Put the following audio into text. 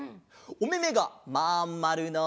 おめめがまんまるの。